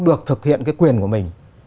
được thực hiện cái quyền của mình